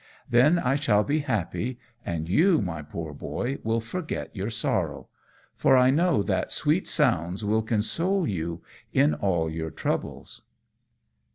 Then I shall be happy, and you, my poor Boy, will forget your sorrow, for I know that sweet sounds will console you in all your troubles."